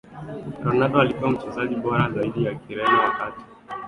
Ronaldo alikuwa Mchezaji bora zaidi wa Kireno wakati